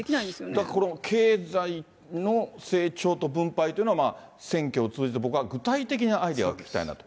だからこの経済の成長と分配というのは、選挙を通じて、僕は具体的なアイデアを聞きたいなと。